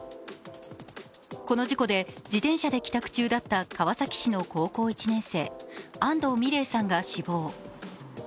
この事故で自転車で帰宅中だった川崎市の高校１年生、安藤美鈴さんが死亡。